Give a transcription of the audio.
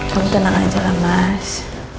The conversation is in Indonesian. kami tenang aja lah mas